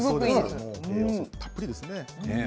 たっぷりですね。